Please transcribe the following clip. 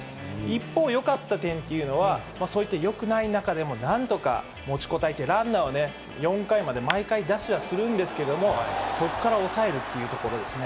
一方、よかった点っていうのは、そういったよくない中でもなんとか持ちこたえて、ランナーを４回まで毎回出しはするんですけれども、そこからおさえるっていうところですね。